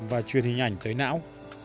và truyền hình ảnh tới não